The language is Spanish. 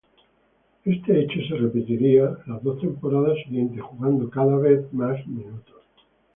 Este hecho se repetiría las dos temporadas siguientes, jugando cada vez más minutos.